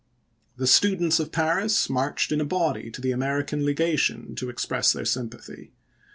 The students of Paris marched in a body to the American Legation to express their sympathy.